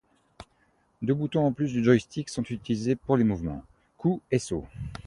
Deux boutons en plus du joystick sont utilisés pour les mouvements: coup et saut.